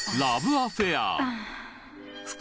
アフェア